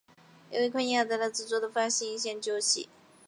是一款由雅达利制作和发行的街机游戏。